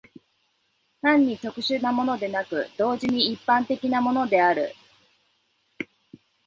単に特殊的なものでなく、同時に一般的なものである。